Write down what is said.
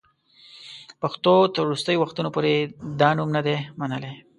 پښتنو تر وروستیو وختونو پوري دا نوم نه دی منلی.